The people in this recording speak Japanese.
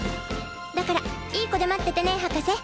だからいい子で待っててね博士。